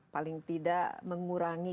paling tidak mengurangi